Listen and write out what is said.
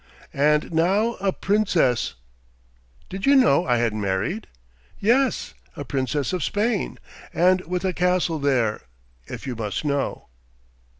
"And now a princess!" "Did you not know I had married? Yes, a princess of Spain and with a castle there, if you must know."